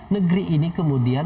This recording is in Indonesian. negeri ini kemudian